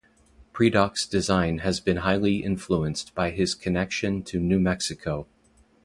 Predock's design has been highly influenced by his connection to New Mexico.